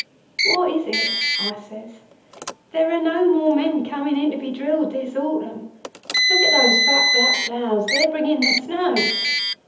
"'What is it?' I says. 'There are no more men coming in to be drilled this autumn. Look at those fat, black clouds. They're bringing the snow.